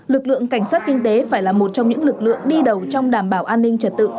lực lượng cảnh sát kinh tế phải là một trong những lực lượng đi đầu trong đảm bảo an ninh trật tự